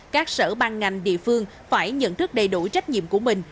các sở ban ngành địa phương phải nhận thức đầy đủ trách nhiệm của mình